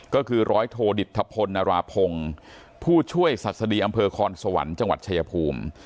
ก็คือร้อยโทดิตทะพลนราพงศ์ผู้ช่วยศัษฎีอำเภอคอนสวรรค์จังหวัดชายภูมิ